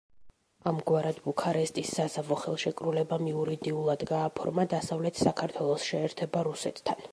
ამგვარად ბუქარესტის საზავო ხელშეკრულებამ იურიდიულად გააფორმა დასავლეთ საქართველოს შეერთება რუსეთთან.